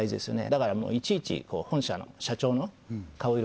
だからもういちいち本社の社長の顔色